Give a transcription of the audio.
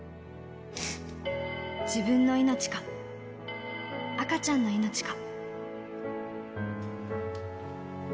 自分の命か、赤ちゃんの命か。